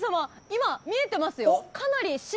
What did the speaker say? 今、見えてますよ。